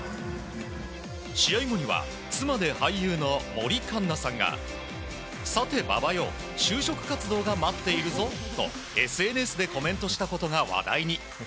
試合後には、妻で俳優の森カンナさんがさて、馬場よ就職活動が待っているぞとＳＮＳでコメントしたことが話題に。